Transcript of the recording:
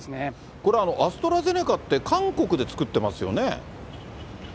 これ、アストラゼネカって、韓国で作ってますよね？